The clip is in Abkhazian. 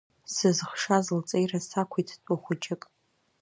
Сызхшаз лҵеира сакәиҭтәы хәыҷык.